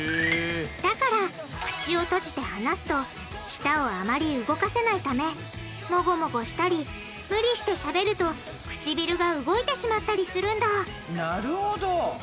だから口を閉じて話すと舌をあまり動かせないためモゴモゴしたり無理してしゃべるとくちびるが動いてしまったりするんだなるほど！